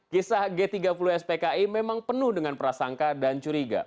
kisah g tiga puluh spki memang penuh dengan prasangka dan curiga